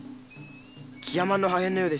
ギヤマンの破片のようでした。